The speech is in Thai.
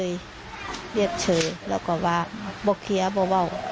เรียบเชื่อะรองเว้า